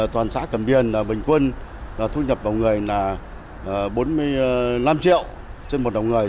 toàn xã cầm điền bình quân thu nhập đầu người là bốn mươi năm triệu trên một đầu người